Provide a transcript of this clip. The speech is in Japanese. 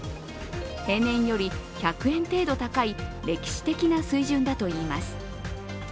平年より１００円程度高い歴史的な水準だといいます。